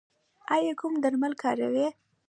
ایا کوم درمل کاروئ؟